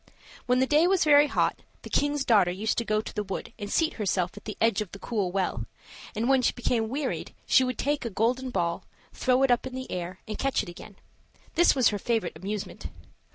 When the day was very hot, the king's daughter used to go to the wood and seat herself at the edge of the cool well; and when she became wearied, she would take a golden ball, throw it up in the air, and catch it again. This was her favorite amusement.